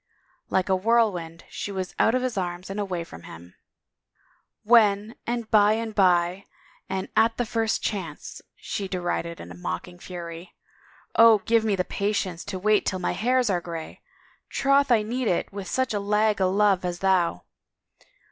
Like a whirlwind she was out of his arms and away from him. " When and hy and by and at the first chance," she derided in mocking fury. " Oh, God give me patience to wait till my hairs are grayl Troth I need it with such a lag o' love as thou!